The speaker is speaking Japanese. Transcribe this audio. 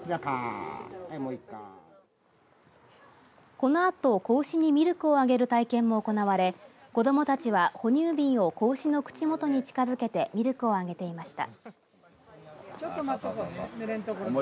このあと、子牛にミルクをあげる体験も行われ子どもたちは、哺乳瓶を子牛の口もとに近づけてミルクをあげていました。